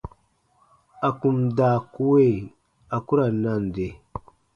À kun daa kue, a ku ra nande.